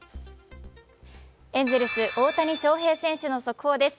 エンゼルス・大谷翔平選手の速報です。